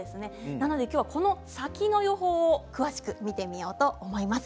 なので今日はこの先の予報を詳しく見ていこうと思います。